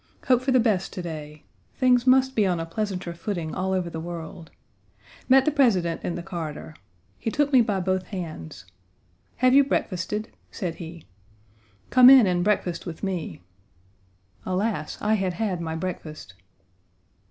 Hope for the best to day. Things must be on a pleasanter footing all over the world. Met the President in the corridor. He took me by both hands. "Have you breakfasted?" said he. "Come in and breakfast with me?" Alas! I had had my breakfast.